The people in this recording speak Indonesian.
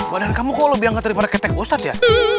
badan kamu kok lebih yang ngetarik pada ketek ustadz ya